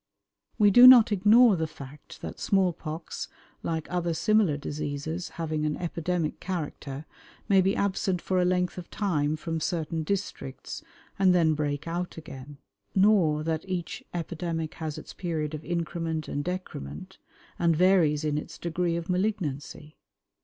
We do not ignore the fact that small pox, like other similar diseases having an epidemic character, may be absent for a length of time from certain districts and then break out again; nor that each epidemic has its period of increment and decrement, and varies in its degree of malignancy.